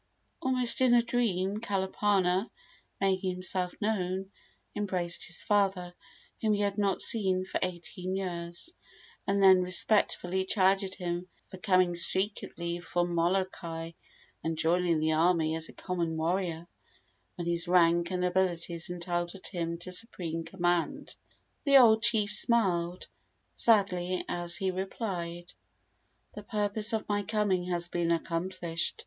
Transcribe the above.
Almost in a dream, Kalapana, making himself known, embraced his father, whom he had not seen for eighteen years, and then respectfully chided him for coming secretly from Molokai and joining the army as a common warrior, when his rank and abilities entitled him to supreme command. The old chief smiled sadly as he replied: "The purpose of my coming has been accomplished.